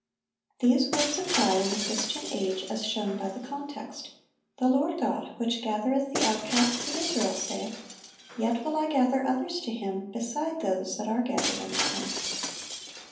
(761) These words apply in the Christian age, as shown by the context: "The Lord God which gathereth the outcasts of Israel saith, Yet will I gather others to him, beside those that are gathered unto him."